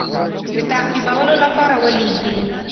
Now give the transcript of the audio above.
د تعقیبولو لپاره ولېږي.